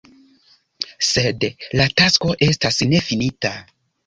Sed la tasko estas nefinita.